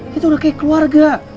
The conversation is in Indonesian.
kita udah kayak keluarga